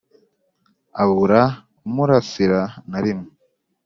Abura umurasira na rimwe